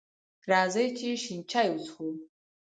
راځئ چې شین چای وڅښو!